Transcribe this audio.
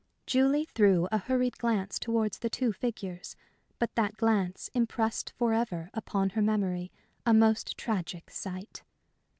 Julie threw a hurried glance towards the two figures; but that glance impressed forever upon her memory a most tragic sight.